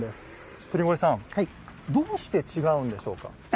鳥越さんどうして違うんでしょうか？